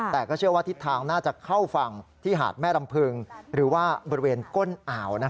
แต่ก็เชื่อว่าทิศทางน่าจะเข้าฝั่งที่หาดแม่รำพึงหรือว่าบริเวณก้นอ่าว